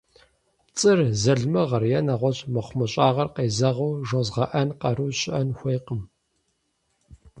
ПцӀыр, залымыгъэр е нэгъуэщӀ мыхъумыщӀагъэр къезэгъыу жозыгъэӀэн къару щыӀэн хуейкъым.